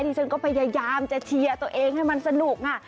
ฉันก็พยายามจะเชียร์ตัวเองให้มันสนุก